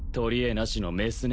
なしのメス猫